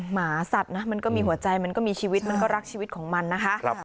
หมาสัตว์มันก็มีหัวใจมันก็รักชีวิตของมันนะคะ